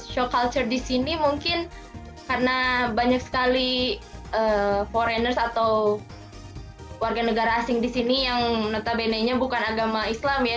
show culture di sini mungkin karena banyak sekali foreigners atau warga negara asing di sini yang notabene nya bukan agama islam ya